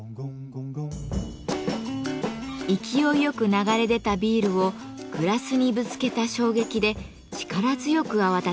勢いよく流れ出たビールをグラスにぶつけた衝撃で力強く泡立てます。